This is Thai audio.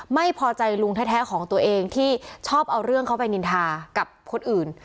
ไม่พอใจลุงแท้ของตัวเองที่ชอบเอาเรื่องเขาไปนินทากับคนอื่น